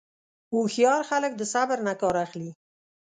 هوښیار خلک د صبر نه کار اخلي.